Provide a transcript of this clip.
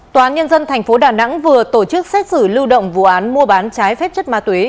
tòa án nhân dân tp đà nẵng vừa tổ chức xét xử lưu động vụ án mua bán trái phép chất ma túy